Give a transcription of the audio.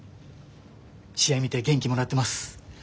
試合見て元気もらってます。